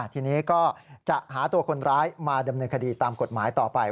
ทีนี้ก็จะหาตัวคนร้ายมาดำเนินคดีตามกฎหมายต่อไป